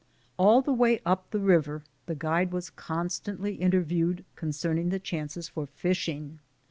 All the way up the river the guide was constantly in terviewed as to the chances for fishing.